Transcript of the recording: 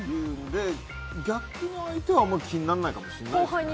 逆に、相手はあんまり気にならないかもしれないですね。